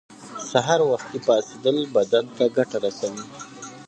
سهار وختی پاڅیدل بدن ته ګټه رسوی